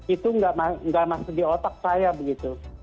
itu nggak masuk di otak saya begitu